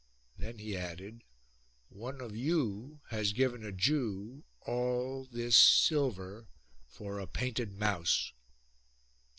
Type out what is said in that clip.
Then he added :" One of you has given a Jew all this silver for a painted mouse."